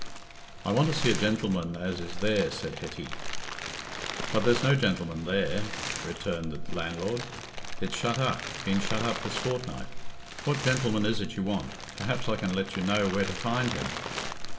"I want to see a gentleman as is there," said Hetty. "But there's no gentleman there," returned the landlord. "It's shut up—been shut up this fortnight. What gentleman is it you want? Perhaps I can let you know where to find him."